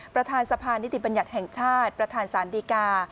ประธานสะพานนิติบัญญัติแห่งชาติประธานสารดีกา